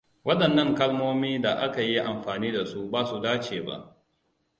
Wadannan kalmomini da aka yi amfani da su basu dace ba.